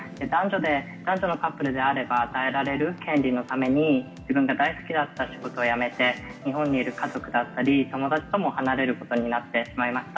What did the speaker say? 男女のカップルであれば与えられる権利のために、自分が大好きだった仕事を辞めて、日本にいる家族だったり、友達とも離れることになってしまいました。